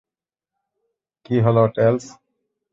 কী হল, টেলস?